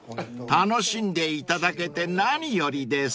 ［楽しんでいただけて何よりです］